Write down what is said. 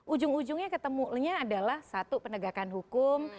ujung ujungnya ketemunya adalah satu penegakan hukum